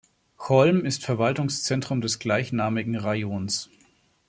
Cholm ist Verwaltungszentrum des gleichnamigen Rajons.